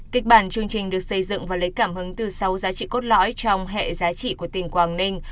kịch bản chương trình được xây dựng và lấy cảm hứng từ sáu giá trị cốt lõi trong hệ giá trị của tỉnh quảng ninh